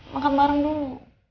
makan bareng dulu